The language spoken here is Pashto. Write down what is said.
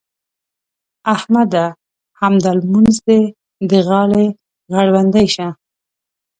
احمده! همدا لمونځ دې د غاړې غړوندی شه.